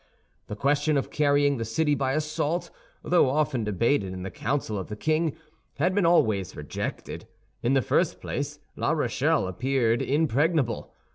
The question of carrying the city by assault, though often debated in the council of the king, had been always rejected. In the first place, La Rochelle appeared impregnable.